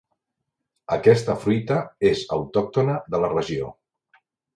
Aquesta fruita és autòctona de la regió.